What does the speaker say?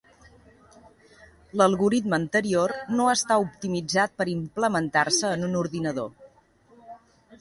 L'algoritme anterior no està optimitzat per a implementar-se en un ordinador.